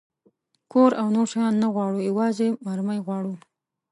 کور او نور شیان نه غواړو، یوازې مرمۍ غواړو.